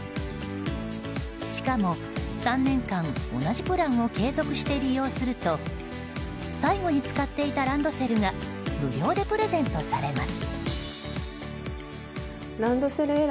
しかも、３年間同じプランを継続して利用すると最後に使っていたランドセルが無料でプレゼントされます。